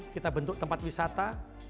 kita bentuk tempat wisata